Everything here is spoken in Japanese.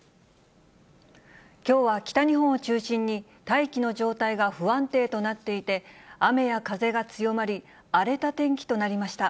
きょうは北日本を中心に、大気の状態が不安定となっていて、雨や風が強まり、荒れた天気となりました。